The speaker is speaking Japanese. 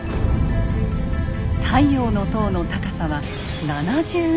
太陽の塔の高さは７０ｍ。